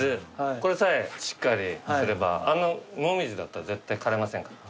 これさえしっかりすればあのモミジだったら絶対枯れませんから。